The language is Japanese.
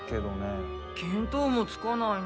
見当もつかないな。